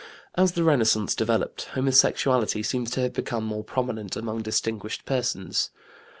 As the Renaissance developed, homosexuality seems to become more prominent among distinguished persons.